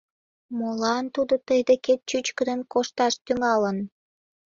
Молан тудо тый декет чӱчкыдын кошташ тӱҥалын?